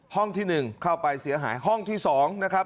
ที่๑เข้าไปเสียหายห้องที่๒นะครับ